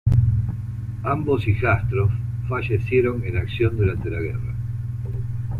Ambos hijastros fallecieron en acción durante la guerra.